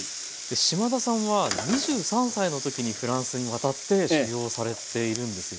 島田さんは２３歳の時にフランスに渡って修業をされているんですよね？